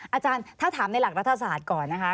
อาจารย์ถ้าถามในหลักรัฐศาสตร์ก่อนนะคะ